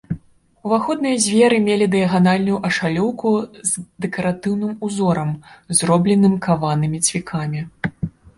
Уваходныя дзверы мелі дыяганальную ашалёўку з дэкаратыўным узорам, зробленым каванымі цвікамі.